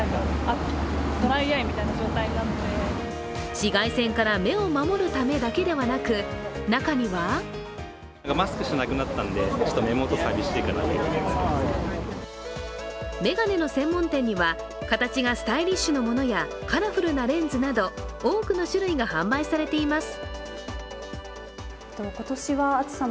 紫外線から目を守るためだけではなく中には眼鏡の専門店には、形がスタイリッシュのものやカラフルなレンズなど多くの種類が販売されています。